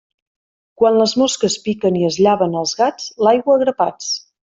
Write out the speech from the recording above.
Quan les mosques piquen i es llaven els gats, l'aigua a grapats.